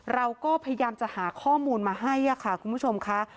เราก็พยายามจะหาข้อมูลมาให้ค่ะคุณผู้ชมค่ะ